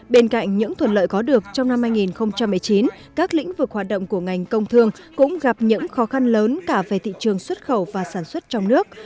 bên cạnh những thuận lợi có được trong năm hai nghìn một mươi chín các lĩnh vực hoạt động của ngành công thương cũng gặp những khó khăn lớn cả về thị trường xuất khẩu và sản xuất trong nước